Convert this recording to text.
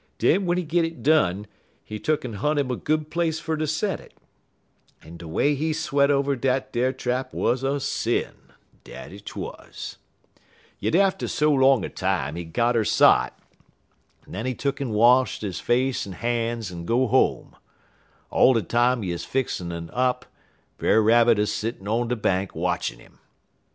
Den w'en he git it done, he tuck'n hunt 'im a good place fer ter set it, en de way he sweat over dat ar trap wuz a sin dat 't wuz. "Yit atter so long a time, he got 'er sot, en den he tuck'n wash he face en han's en go home. All de time he 'uz fixin' un it up, Brer Rabbit 'uz settin' on de bank watchin' 'im.